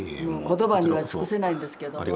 言葉には尽くせないんですけども。